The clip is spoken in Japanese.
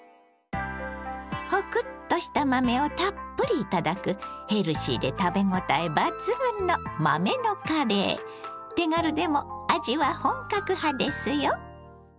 ホクッとした豆をたっぷり頂くヘルシーで食べごたえ抜群の手軽でも味は本格派ですよ。